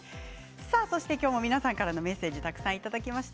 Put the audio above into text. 今日も皆さんからのメッセージたくさんいただきました。